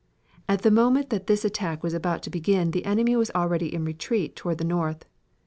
At the moment that this attack was about to begin the enemy was already in retreat toward the north.